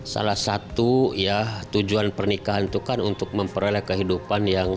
salah satu ya tujuan pernikahan itu kan untuk memperoleh kehidupan yang